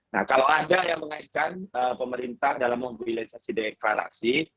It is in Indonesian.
nah kalau ada yang mengaitkan pemerintah dalam memobilisasi deklarasi